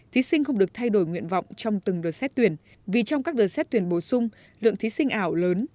thí sinh không được thay đổi nguyện vọng trong từng đợt xét tuyển vì trong các đợt xét tuyển bổ sung lượng thí sinh ảo lớn